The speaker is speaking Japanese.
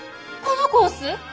このコース